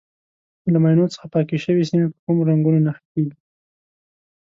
له ماینو څخه پاکې شوې سیمې په کومو رنګونو نښه کېږي.